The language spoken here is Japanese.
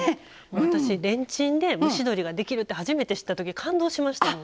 私レンチンで蒸し鶏ができるって初めて知ったとき感動しましたもん。